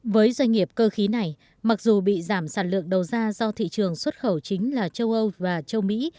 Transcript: với doanh nghiệp cơ khí này mặc dù bị giảm sản lượng đầu ra do thị trường xuất khẩu chính là châu âu và châu mỹ